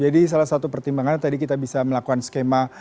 jadi salah satu pertimbangan tadi kita bisa melakukan skema